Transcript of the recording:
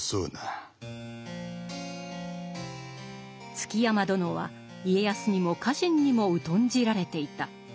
築山殿は家康にも家臣にも疎んじられていた。